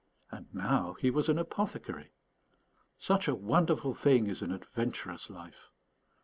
And now he was an apothecary! Such a wonderful thing is an adventurous life!